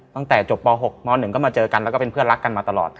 ตั้งแต่จบป๖ม๑ก็มาเจอกันแล้วก็เป็นเพื่อนรักกันมาตลอด